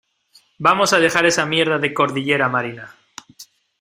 vamos a dejar esa mierda de cordillera marina.